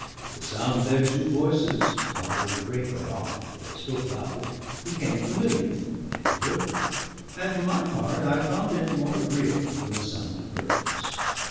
The sound of their two voices (audible a great way off, for they spoke loud) became familiar in the neighbourhood; and for my part I found it more agreeable than the sound of birds.